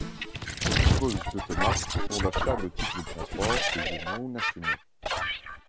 Elle dispose d'automates pour l'achat de titres de transport régionaux ou nationaux.